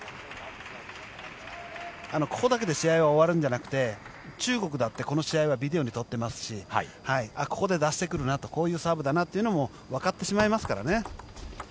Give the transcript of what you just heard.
ここだけで試合が終わるんじゃなくて中国だってこの試合はビデオに撮っていますしここで出してくるなとこういうサーブだなというのもわかってしまいますからね。